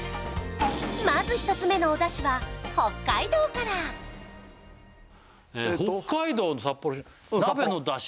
まず１つ目のお出汁は北海道から北海道札幌市鍋の出汁